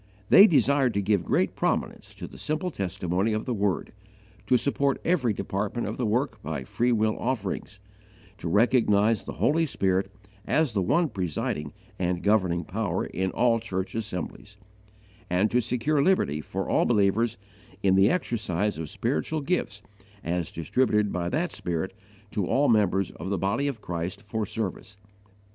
They desired to give great prominence to the simple testimony of the Word, to support every department of the work by free will offerings, to recognize the Holy Spirit as the one presiding and governing Power in all church assemblies, and to secure liberty for all believers in the exercise of spiritual gifts as distributed by that Spirit to all members of the Body of Christ for service.